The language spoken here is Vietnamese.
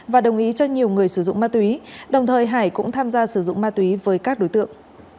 và đồng ý cho nhiều người sử dụng ma túy đồng thời hải cũng tham gia sử dụng ma túy với các đối tượng